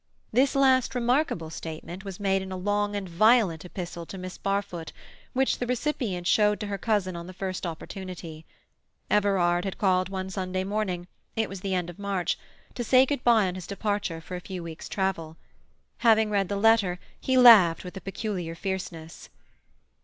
This last remarkable statement was made in a long and violent epistle to Miss Barfoot, which the recipient showed to her cousin on the first opportunity. Everard had called one Sunday morning—it was the end of March—to say good bye on his departure for a few weeks' travel. Having read the letter, he laughed with a peculiar fierceness.